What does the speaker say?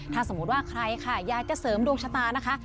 ถ้าสมมุติว่าใครค่ะอยากจะเสริมดวงชะตานะคะ